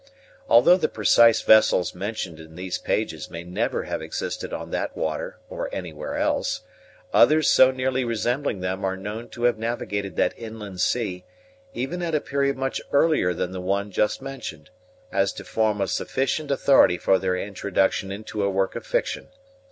Although the precise vessels mentioned in these pages may never have existed on that water or anywhere else, others so nearly resembling them are known to have navigated that inland sea, even at a period much earlier than the one just mentioned, as to form a sufficient authority for their introduction into a work of fiction.